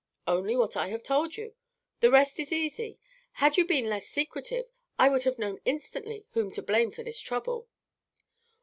"Only what I have told you. The rest is easy. Had you been less secretive, I would have known instantly whom to blame for this trouble.